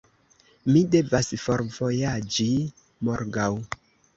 Mi devas forvojaĝi morgaŭ.